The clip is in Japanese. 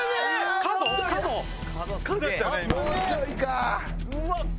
もうちょいか！